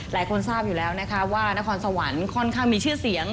หลายคนทราบอยู่แล้วนะคะว่านครสวรรค์ค่อนข้างมีชื่อเสียง